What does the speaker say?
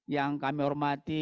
yang kami hormati